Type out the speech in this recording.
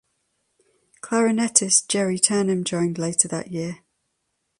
Clarinettist Gerry Turnham joined later that year.